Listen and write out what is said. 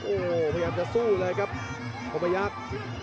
โอ้โหพยายามจะสู้เลยครับอบพยักษ์